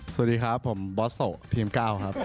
สวัสดีครับผมบอสโซทีม๙ครับ